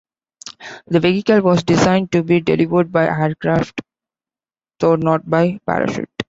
The vehicle was designed to be delivered by aircraft, though not by parachute.